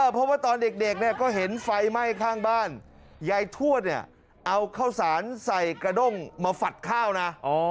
เพราะว่าตอนเด็กเนี่ยก็เห็นไฟไหม้ข้างบ้านยายทวดเนี่ยเอาข้าวสารใส่กระด้งมาฝัดข้าวนะ